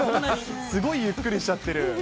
すごいゆっくりしちゃってる。